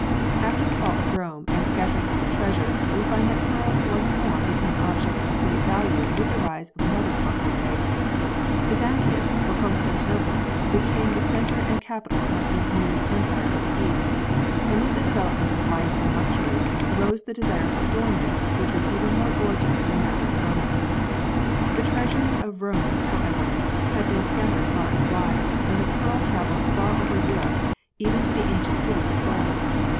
After the fall of Rome and the scattering of its treasures, we find that pearls once more become objects of great value with the rise of another conquering race. Byzantium or Constantinople became the centre and capital of this new " Empire of the East," and with the development of life and luxury arose the desire for adornment which was even more gorgeous than that of the Romans. The treasures of Rome however had been scattered far and wide and the pearl travelled far over Europe even to the ancient cities of Gaul.